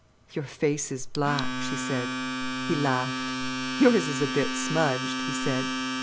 "Your face is black," she said. He laughed. "Yours is a bit smudged," he said.